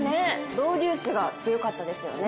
ドウデュースが強かったですよね。